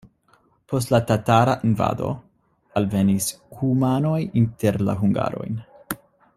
Post la tatara invado alvenis kumanoj inter la hungarojn.